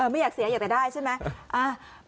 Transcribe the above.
ไม่อยากเสียอยากจะได้ใช่ไหม